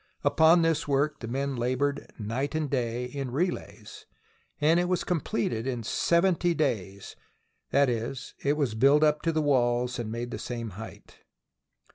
Upon this work the men laboured night and day, in relays, and it was completed in seventy days — that is, it was built up to the walls and made the same height.